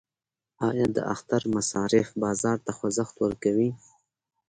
آیا د اختر مصارف بازار ته خوځښت ورکوي؟